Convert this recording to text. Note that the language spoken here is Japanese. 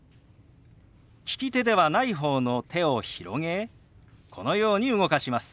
利き手ではない方の手を広げこのように動かします。